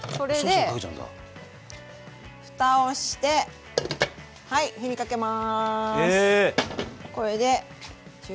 蓋をしてはい火にかけます。え！